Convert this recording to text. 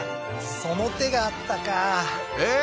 その手があったかえっ？